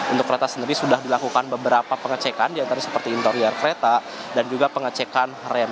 untuk kereta sendiri sudah dilakukan beberapa pengecekan diantara seperti interior kereta dan juga pengecekan rem